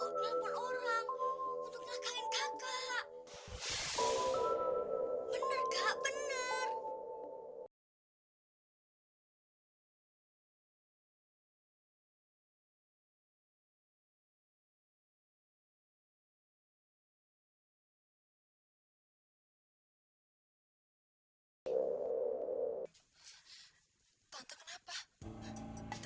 aku akan disent distrik jae harian biarkan dia berjahat